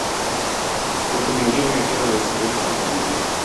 Huku mengine yakiwa na usanifu mchanganyiko